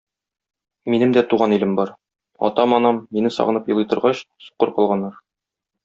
Минем дә туган илем бар: атам-анам, мине сагынып елый торгач, сукыр калганнар.